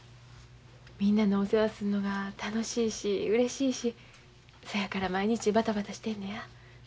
みんなのお世話をするのが楽しいしうれしいしそやから毎日バタバタしてるのや。